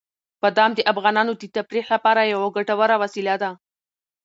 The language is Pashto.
بادام د افغانانو د تفریح لپاره یوه ګټوره وسیله ده.